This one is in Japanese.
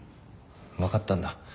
分かったんだ。